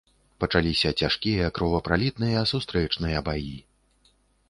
Пачаліся цяжкія, кровапралітныя сустрэчныя баі.